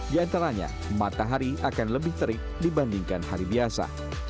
di antaranya matahari akan lebih terik dibandingkan hari biasa